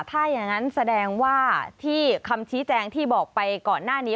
ถ้าอย่างนั้นแสดงว่าที่คำชี้แจงที่บอกไปก่อนหน้านี้